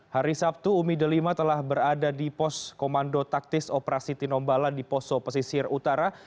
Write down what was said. hari sabtu umi delima telah berada di pos komando taktis operasi tinombala di poso pesisir utara